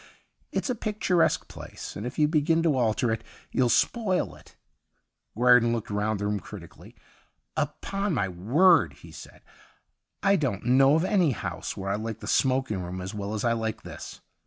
It's a pictur esque place, and if you begin to alter it you'll spoil it.' Guerdon looked round the room critically. ' Upon my word/ he said, ' I don't know of any house where I like the smoking room as well as I like this.